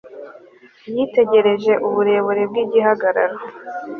yitegerejuburebure bgigihagararo